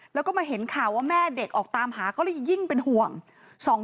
แล้วก็มาเห็นข่าวว่าแม่เด็กออกตามหาก็เลยยิ่งเป็นห่วง